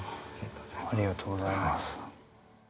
ありがとうございます。